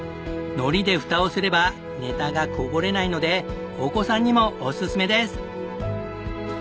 海苔でフタをすればネタがこぼれないのでお子さんにもおすすめです。